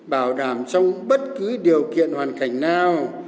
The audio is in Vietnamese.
bảo đảm trong bất cứ điều kiện hoàn cảnh nào